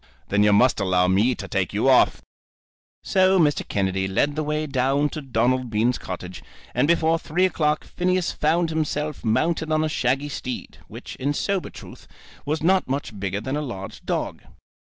"Then you must allow me to take you off." So Mr. Kennedy led the way down to Donald Bean's cottage, and before three o'clock Phineas found himself mounted on a shaggy steed, which, in sober truth, was not much bigger than a large dog.